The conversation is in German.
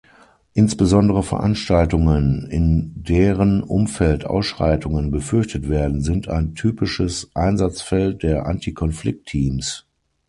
Insbesondere Veranstaltungen, in deren Umfeld Ausschreitungen befürchtet werden, sind ein typisches Einsatzfeld der Anti-Konflikt-Teams.